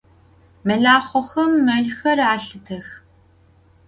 Melaxhoxem melxer alhıtex.